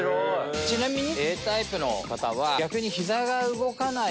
ちなみに。